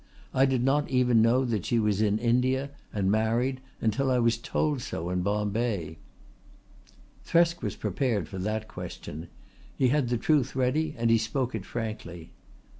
I did not even know that she was in India and married until I was told so in Bombay." Thresk was prepared for that question. He had the truth ready and he spoke it frankly.